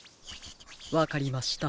わかりました。